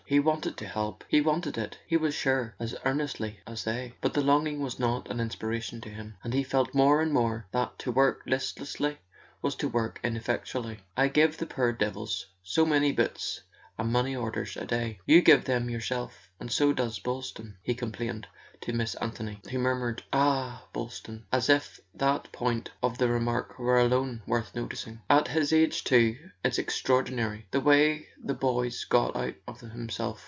He wanted to help, he wanted it, he was sure, as earnestly as they; but the longing was not an inspiration to him, and he felt more and more that to work listlessly was to work ineffectually. "I give the poor devils so many boots and money orders a day; you give them yourself, and so does Boylston," he complained to Miss Anthony; who mur [ 216 ] A SON AT THE FRONT mured: "Ah, Boylston " as if that point of the re¬ mark were alone worth noticing. "At his age too; it's extraordinary, the way the boy's got out of himself."